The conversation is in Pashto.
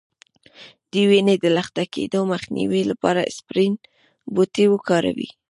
د وینې د لخته کیدو مخنیوي لپاره اسپرین بوټی وکاروئ